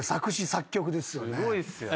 すごいっすよね。